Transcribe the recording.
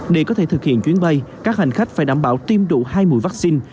để có thể thực hiện chuyến bay các hành khách phải đảm bảo tiêm đủ hai mũi vaccine